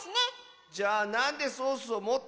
じゃあなんでソースをもってるの？